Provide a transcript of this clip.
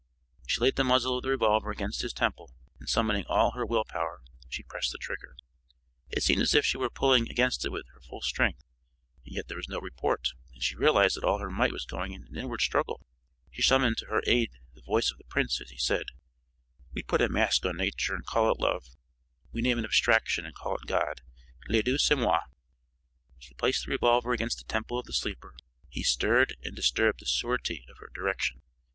She laid the muzzle of the revolver against his temple, and, summoning all her will power, she pressed the trigger. It seemed as if she were pulling against it with her full strength, and yet there was no report. Then she realized that all her might was going into an inward struggle. She summoned to her aid the voice of the prince as he had said: "We put a mask on nature and call it love; we name an abstraction and call it God. Le Dieu, c'est moi!" She placed the revolver against the temple of the sleeper; he stirred and disturbed the surety of her direction.